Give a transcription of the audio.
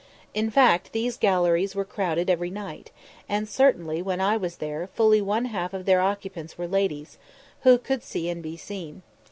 In fact, these galleries were crowded every night; and certainly, when I was there, fully one half of their occupants were ladies, who could see and be seen.